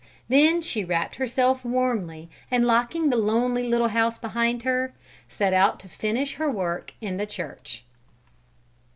Then she wrapped herself warmly, and locking the lonely little house behind her, set out to finish her work in the church.